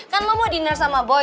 kan lo mau diner sama boy